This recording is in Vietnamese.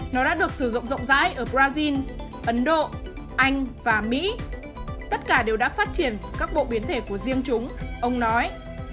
nó đã được sử dụng rộng rãi ở brazil ấn độ anh và mỹ tất cả đều đã phát triển các bộ biến thể của riêng chúng ông nói